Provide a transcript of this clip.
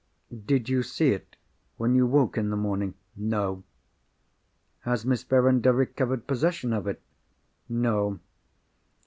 "Did you see it, when you woke in the morning?" "No." "Has Miss Verinder recovered possession of it?" "No."